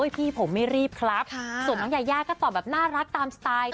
พี่ผมไม่รีบครับส่วนน้องยายาก็ตอบแบบน่ารักตามสไตล์